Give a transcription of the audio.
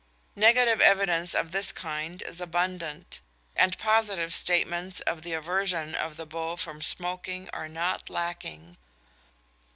Negative evidence of this kind is abundant; and positive statements of the aversion of the beaux from smoking are not lacking.